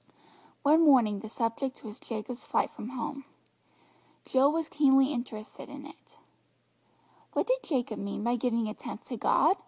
One morning the subject was Jacob's flight from home. Jill was keenly interested in it. "What did Jacob mean by giving a tenth to God?"